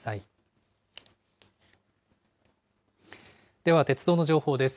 では鉄道の情報です。